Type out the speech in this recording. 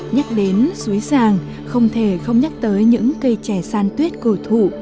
nhắc đến suối sàng không thể không nhắc tới những cây trẻ san tuyết cổ thụ